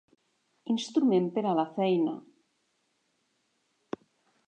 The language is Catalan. Instrument per a la feina.